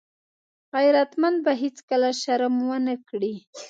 غیرتمند به هېڅکله شرم ونه کړي